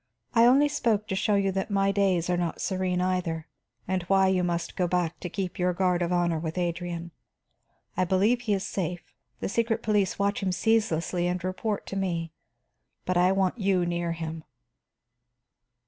I only spoke to show you that my days are not serene either, and why you must go back to keep your guard of honor with Adrian. I believe he is safe; the secret police watch him ceaselessly and report to me. But I want you near him."